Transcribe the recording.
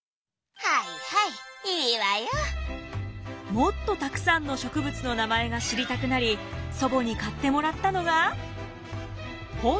もっとたくさんの植物の名前が知りたくなり祖母に買ってもらったのが。